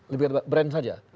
lebih ke brand saja